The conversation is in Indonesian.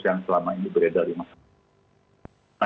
yang selama ini beredar di masyarakat